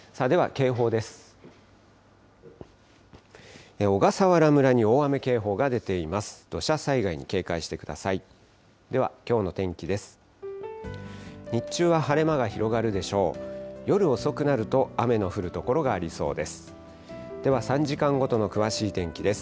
では、きょうの天気です。